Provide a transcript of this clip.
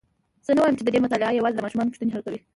زه نه وایم چې ددې مطالعه یوازي د ماشومانو پوښتني حل کوي.